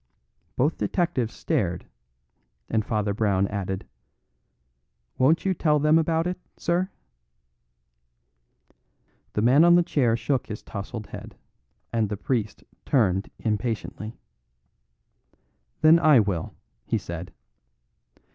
Both detectives stared, and Father Brown added: "Won't you tell them about it, sir?" The man on the chair shook his tousled head, and the priest turned impatiently. "Then I will," he said.